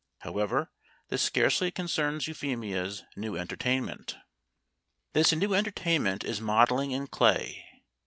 However, this scarcely concerns Euphemia's new entertainment. This new entertainment is modelling in clay.